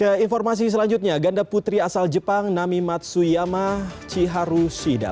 ke informasi selanjutnya ganda putri asal jepang namimatsu yama chiharu shida